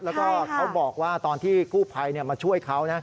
แล้วก็เขาบอกว่าตอนที่กู้ภัยมาช่วยเขา